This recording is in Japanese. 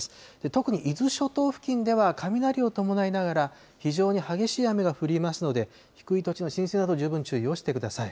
特に伊豆諸島付近では雷を伴いながら、非常に激しい雨が降りますので、低い土地の浸水など、十分注意してください。